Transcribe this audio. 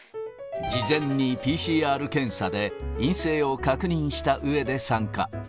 事前にＰＣＲ検査で陰性を確認したうえで参加。